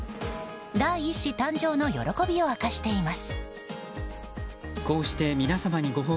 第１子誕生の喜びを明かしています。